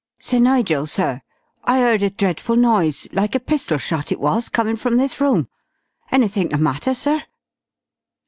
"Sir Nigel, sir. I 'eard a dreadful noise like a pistol shot it was, comin' from this room! Anythink the matter, sir?"